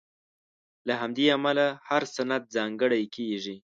له همدې امله هر سند ځانګړی کېږي.